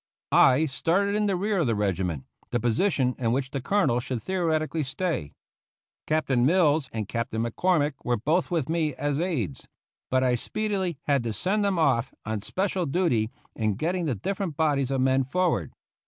I started in the rear of the regiment, the posi tion in which the colonel should theoretically stay. Captain Mills and Captain McCormick were both with me as aides ; but I speedily had to send them off on special duty in getting the different bodies 126 THE CAVALRY AT SANTIAGO of men forward.